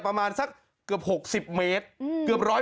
ภาษาแรกที่สุดท้าย